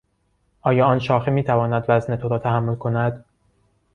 آیا آن شاخه میتواند وزن تو را تحمل کند؟